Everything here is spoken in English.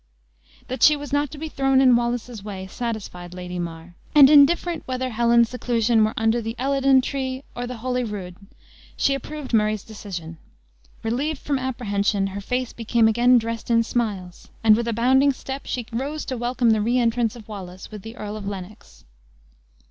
That she was not to be thrown in Wallace's way satisfied Lady Mar; and indifferent whether Helen's seclusion were under the Elidon tree or the Holyrood, she approved Murray's decision. Relieved from apprehension, her face became again dressed in smiles, and, with a bounding step, she rose to welcome the re entrance of Wallace with the Earl of Lennox.